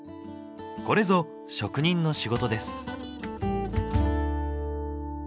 これぞ職人の仕事です。